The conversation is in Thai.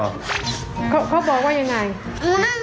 โอ้โฮทำไมพอมันแบบนี้ลูก